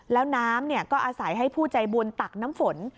แล้วน้ำก็อาศัยให้ผู้ใจบุญตักน้ำฝน